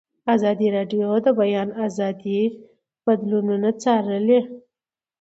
ازادي راډیو د د بیان آزادي بدلونونه څارلي.